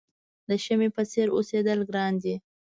د شمعې په څېر اوسېدل ګران دي.